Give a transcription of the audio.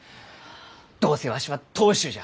どうせわしは当主じゃ！